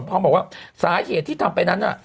เขาบอกว่าสาเหตุที่ทำไปนั้น